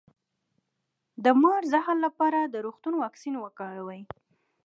د مار د زهر لپاره د روغتون واکسین وکاروئ